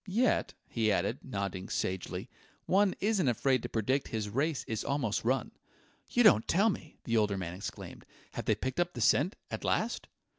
Yet," he added, nodding sagely, "one isn't afraid to predict his race is almost run." "You don't tell me!" the older man exclaimed. "Have they picked up the scent at last?"